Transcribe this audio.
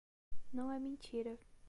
Não é mentira.